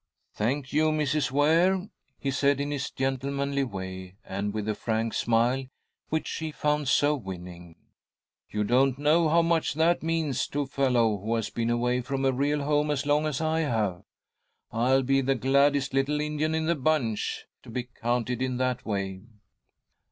"Thank you, Mrs. Ware," he said, in his gentlemanly way and with the frank smile which she found so winning; "you don't know how much that means to a fellow who has been away from a real home as long as I have. I'll be the gladdest 'little Indian' in the bunch to be counted in that way."